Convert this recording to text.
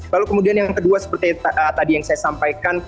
lalu kemudian yang kedua seperti tadi yang saya sampaikan